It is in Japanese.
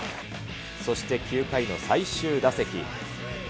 そして９回の最終打席。